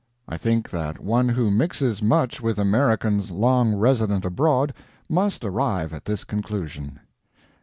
I think that one who mixes much with Americans long resident abroad must arrive at this conclusion.